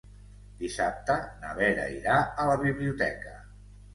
Dissabte na Vera irà a la biblioteca.